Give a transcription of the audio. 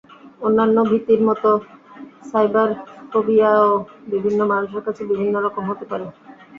অন্যান্য ভীতির মতো সাইবারফোবিয়াও বিভিন্ন মানুষের কাছে বিভিন্ন রকম হতে পারে।